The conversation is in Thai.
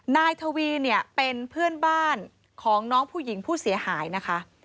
นายทวีเนี่ยเป็นเพื่อนบ้านของน้องผู้หญิงผู้เสียหายนะคะ